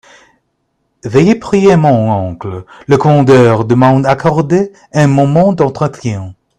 Veuillez prier mon oncle, le commandeur, de m’accorder un moment d’entretien.